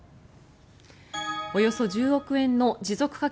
およそ１０億円の持続化